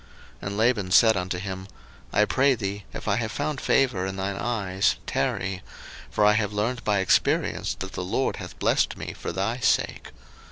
01:030:027 And Laban said unto him, I pray thee, if I have found favour in thine eyes, tarry: for I have learned by experience that the LORD hath blessed me for thy sake.